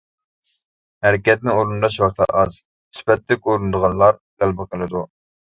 ھەرىكەتنى ئورۇنداش ۋاقتى ئاز، سۈپەتلىك ئورۇندىغانلار غەلىبە قىلىدۇ.